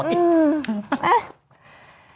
ผีหลอก